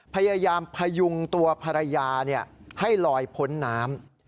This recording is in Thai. พยายามพยุงตัวภรรยาให้ลอยพ้นน้ำ